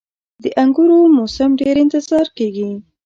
• د انګورو موسم ډیر انتظار کیږي.